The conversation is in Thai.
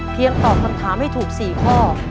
ตอบคำถามให้ถูก๔ข้อ